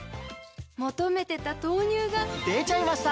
求めてた豆乳がでちゃいました！